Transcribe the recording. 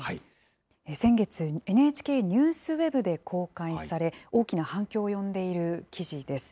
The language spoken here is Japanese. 先月、ＮＨＫニュースＷＥＢで公開され、大きな反響を呼んでいる記事です。